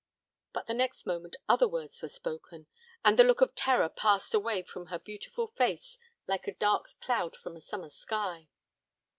But the next moment other words were spoken, and the look of terror passed away from her beautiful face like a dark cloud from a summer sky.